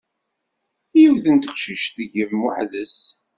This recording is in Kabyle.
Yiwet n teqcict deg-m weḥd-s.